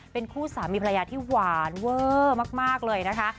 เป็นคู่สามีภรรยาที่หวานเวอร์มากเลยนะคะ